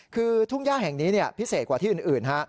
คือทุ่งย่าแห่งนี้พิเศษกว่าที่อื่น